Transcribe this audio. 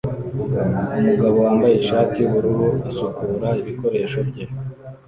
Umugabo wambaye ishati yubururu asukura ibikoresho bye